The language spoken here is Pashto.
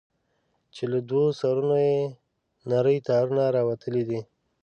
چې له دوو سرونو يې نري تارونه راوتلي دي.